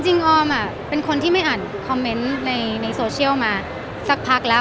ออมเป็นคนที่ไม่อ่านคอมเมนต์ในโซเชียลมาสักพักแล้ว